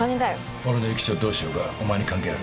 俺の諭吉をどうしようがお前に関係ある？